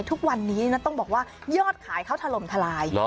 ทุกวันนี้ต้องบอกว่ายอดขายเขาถล่มทลาย